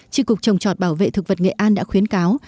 tri cục trồng trọt bảo vệ thực vật nghệ an đã khuyến cáo